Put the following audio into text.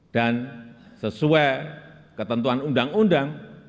dan sesuai ketentuan undang undang